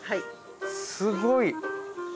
すごい。